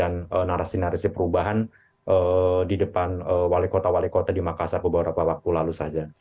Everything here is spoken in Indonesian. dengan narasi narasi perubahan di depan wali kota wali kota di makassar beberapa waktu lalu saja